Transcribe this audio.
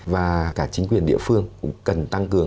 và cả chính quyền địa phương cũng cần tăng cường